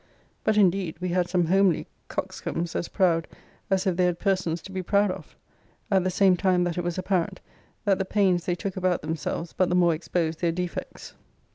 But indeed we had some homely coxcombs as proud as if they had persons to be proud of; at the same time that it was apparent, that the pains they took about themselves but the more exposed their defects.